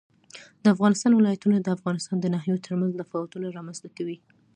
د افغانستان ولايتونه د افغانستان د ناحیو ترمنځ تفاوتونه رامنځ ته کوي.